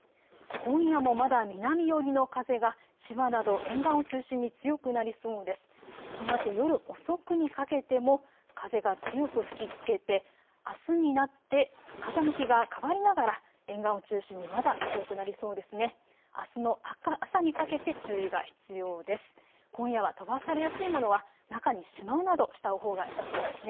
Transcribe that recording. このあと夜遅くにかけても風が強く吹きつけてあすになって風向きが変わりながら沿岸を中心にまだ強くなりそうですね。